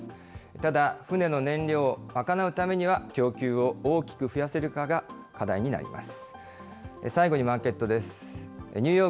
ただ、船の燃料を賄うためには、供給を大きく増やせるかが課題になります。